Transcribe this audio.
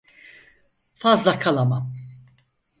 Fazla kalamam.